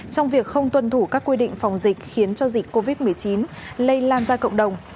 trong việc không tuân thủ các quy định phòng dịch khiến cho dịch covid một mươi chín lây lan ra cộng đồng